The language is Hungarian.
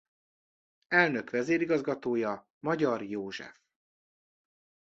Elnök-vezérigazgatója Magyar József.